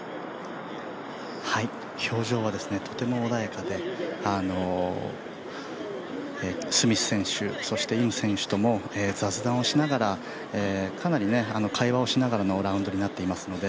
表情はとても穏やかで、スミス選手、そしてイム選手とも雑談をしながらかなり会話をしながらのラウンドになっていますので